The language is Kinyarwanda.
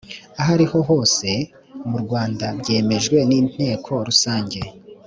ariho hose mu rwanda byemejwe n inteko rusange